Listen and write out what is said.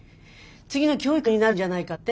次の教育長になるんじゃないかって？